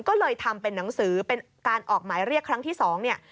ก็เลยทำเป็นหนังสือเป็นการออกหมายเรียกครั้งที่๒เนี่ย